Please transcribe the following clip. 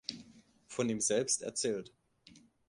Von ihm selbst erzählt.